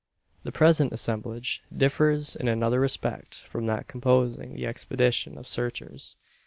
The present assemblage differs in another respect from that composing the expedition of searchers.